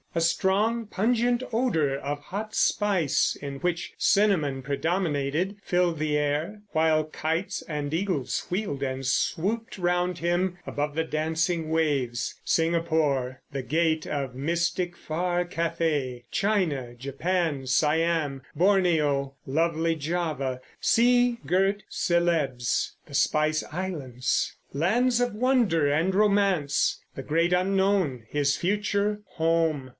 A strong, pungent odour of hot spice in which cinnamon predominated filled the air, while kites and eagles wheeled and swooped round him above the dancing waves. Singapore! The gate of mystic, far Cathay! China—Japan—Siam—Borneo! Lovely Java, sea girt Celebes. The spice islands! Lands of wonder and romance. The great Unknown, his future Home!